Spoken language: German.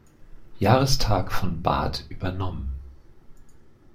Jahrestag von "Bad" übernommen.